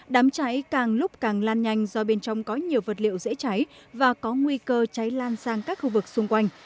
đám cháy càng lúc càng lan nhanh do bên trong có nhiều vật liệu dễ cháy và có nguy cơ cháy lan sang các khu vực xung quanh